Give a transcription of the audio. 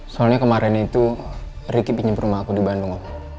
soalnya kemarin itu riki pinjem perumah aku di bandung om